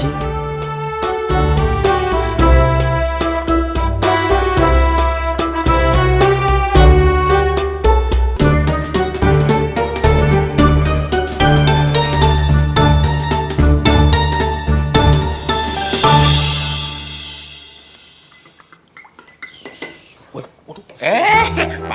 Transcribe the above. fikri mau dikajikkan